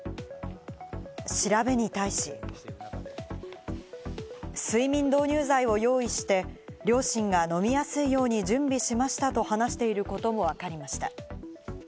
調べに対し、睡眠導入剤を用意して、両親が飲みやすいように準備しましたと話していることもわかりました。